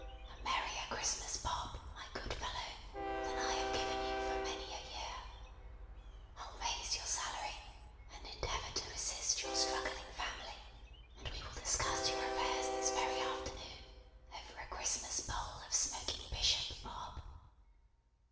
"A merrier Christmas, Bob, my good fellow, than I have given you, for many a year! I'll raise your salary, and endeavour to assist your struggling family, and we will discuss your affairs this very afternoon, over a Christmas bowl of smoking bishop, Bob!